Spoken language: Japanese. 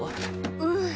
うん。